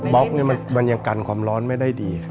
ล็อกมันยังกันความร้อนไม่ได้ดี